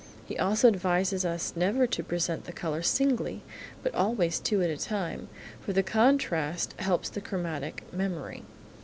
He also advises us never to present the colour singly, but always two at a time, since the contrast helps the chromatic memory.